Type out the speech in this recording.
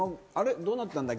どうなったんだっけ？